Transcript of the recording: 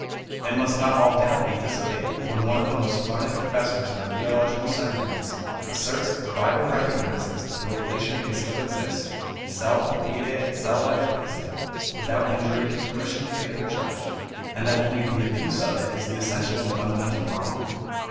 And must not all doubt be dissipated, when one of the most learned professors in our theological seminaries asserts that the Bible recognises that the relation may still exist, salva fide et salva ecclesia' (without injury to the Christian faith or church) and that only 'the abuse of it is the essential and fundamental wrong?'